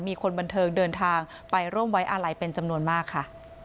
มีคนบันเทิงเดินทางไปร่วมไว้อาลัยเป็นจำนวนมากค่ะ